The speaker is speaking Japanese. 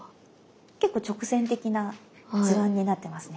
結構直線的な図案になってますね。